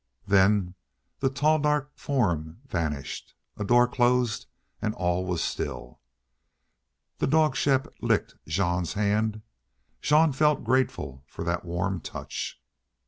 Then the tall, dark form vanished, a door closed, and all was still. The dog Shepp licked Jean's hand. Jean felt grateful for that warm touch.